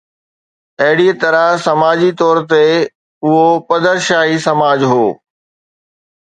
اهڙيءَ طرح سماجي طور تي اهو پدرشاهي سماج هو.